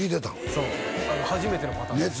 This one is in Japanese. そう初めてのパターンでしたよ